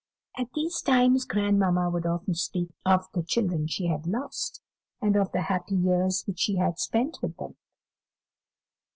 At these times grandmamma would often speak of the children she had lost, and of the happy years which she had spent with them.